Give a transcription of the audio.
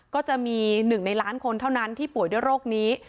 ก็จะมี๑ในล้านคนเท่านั้นที่ป่วยด้วยโรคนี้